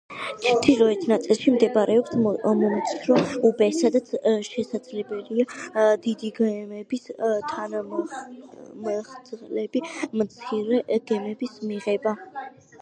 ჩრდილოეთ ნაწილში მდებარეობს მომცრო უბე, სადაც შესაძლებელია დიდი გემების თანმხლები მცირე გემების მიღება.